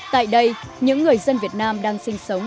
tại đây những người dân việt nam đang sinh sống